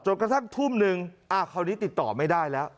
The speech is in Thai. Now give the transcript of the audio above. กระทั่งทุ่มนึงคราวนี้ติดต่อไม่ได้แล้ว